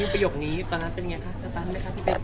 ประโยคนี้ตอนนั้นเป็นไงคะสตันไหมคะพี่เป๊ก